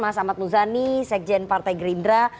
mas ahmad muzani sekjen partai gerindra